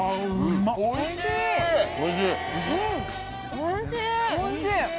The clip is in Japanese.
おいしい！